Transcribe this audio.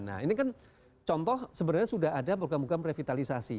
nah ini kan contoh sebenarnya sudah ada program program revitalisasi